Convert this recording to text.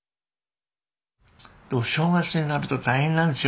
正月になると大変なんですよ